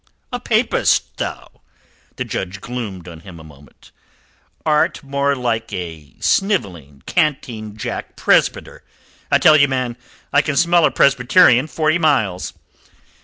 "A papist thou?" The judge gloomed on him a moment. "Art more like a snivelling, canting Jack Presbyter. I tell you, man, I can smell a Presbyterian forty miles."